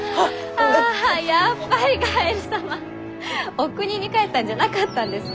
おくにに帰ったんじゃなかったんですか？